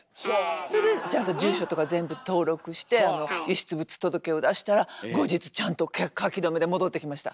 それでちゃんと住所とか全部登録して遺失物届を出したら後日ちゃんと書留で戻ってきました。